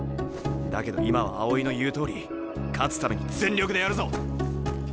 だけど今は青井の言うとおり勝つために全力でやるぞ。